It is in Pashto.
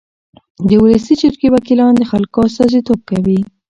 د ولسي جرګې وکیلان د خلکو استازیتوب کوي.